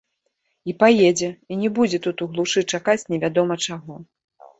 І паедзе, і не будзе тут у глушы чакаць невядома чаго.